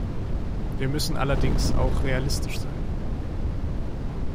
Wir müssen allerdings auch realistisch sein.